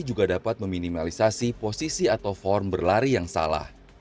juga dapat meminimalisasi posisi atau form berlari yang salah